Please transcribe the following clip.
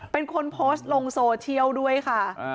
เป็นคนโพสต์ลงโซเชียลด้วยค่ะ